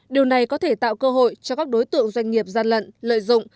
điều này có thể tạo cơ hội cho các đối tượng doanh nghiệp gian lận lợi dụng